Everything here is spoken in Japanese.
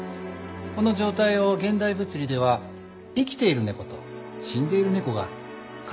この状態を現代物理では生きている猫と死んでいる猫が重なり合ってると考えます。